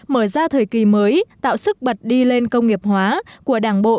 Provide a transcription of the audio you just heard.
mở ra thời kỳ mới tạo sức bật đi lên công nghiệp hóa của đảng bộ